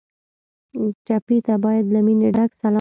ټپي ته باید له مینې ډک لاس ورکړو.